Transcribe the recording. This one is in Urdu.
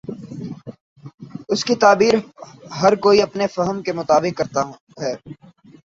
اس کی تعبیر ہر کوئی اپنے فہم کے مطابق کر تا ہے۔